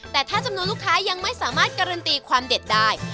แต่ถ้าจำนวนลูกค้ายังไม่สามารถการันตีความเด็ดได้